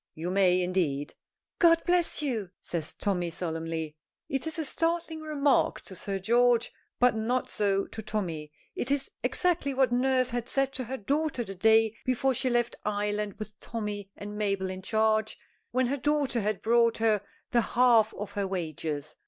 "You may indeed!" "God bless you!" says Tommy, solemnly. It is a startling remark to Sir George, but not so to Tommy. It is exactly what nurse had said to her daughter the day before she left Ireland with Tommy and Mabel in charge, when her daughter had brought her the half of her wages.